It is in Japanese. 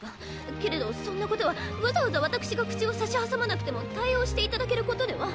けれどそんなことはわざわざ私が口を差し挟まなくても対応していただけることでは？